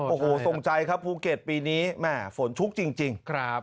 โอ้โหส่งใจครับภูเขตปีนี้ฝนชุกจริง